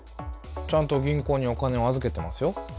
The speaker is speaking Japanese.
ちゃんと銀行にお金を預けてますよ。